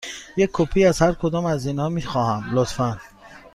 یک کپی از هر کدام از اینها می خواهم، لطفاً.